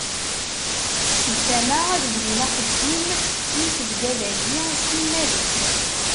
Seg tama, ad bdun axeddim n usebddad-agi s timmad-is.